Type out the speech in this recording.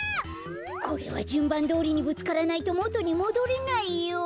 これはじゅんばんどおりにぶつからないともとにもどれないよ。